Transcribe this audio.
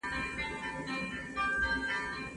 شعور لرونکي انسانان د ټولني په ابادۍ کي ونډه اخلي.